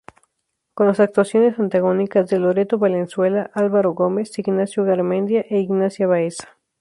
Con las actuaciones antagónicas de Loreto Valenzuela, Álvaro Gómez, Ignacio Garmendia e Ignacia Baeza.